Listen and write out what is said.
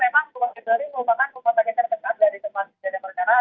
namun memang rumah sakit terdiri merupakan rumah sakit terdekat dari tempat kejadian bergerak